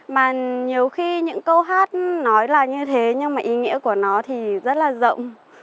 mà nhiều khi những câu hát nói là như thế nhưng mà ý nghĩa của nó thì rất là rộng